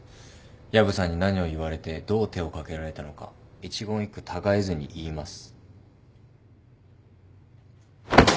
薮さんに何を言われてどう手をかけられたのか一言一句たがえずに言います。